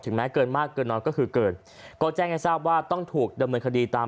แม้เกินมากเกินน้อยก็คือเกินก็แจ้งให้ทราบว่าต้องถูกดำเนินคดีตาม